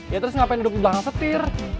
ya terus ngapain duduk di belakang petir